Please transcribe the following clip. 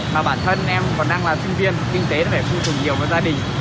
mà bản thân em còn đang là sinh viên kinh tế phải phù hợp nhiều với gia đình